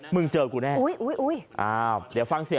มึงเจอกูแน่